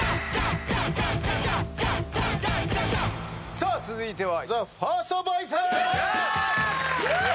さあ続いてはＴＨＥＦＩＲＳＴＶＯＩＣＥ！